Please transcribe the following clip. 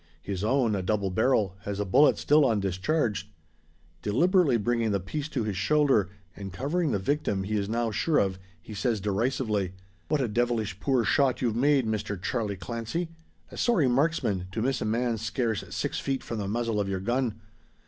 His own, a double barrel, has a bullet still undischarged. Deliberately bringing the piece to his shoulder, and covering the victim he is now sure of, he says derisively, "What a devilish poor shot you've made, Mister Charlie Clancy! A sorry marksman to miss a man scarce six feet from the muzzle of your gun!